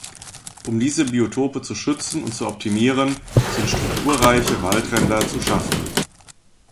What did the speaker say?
Um diese Biotope zu schützen und zu optimieren, sind strukturreiche Waldränder zu schaffen.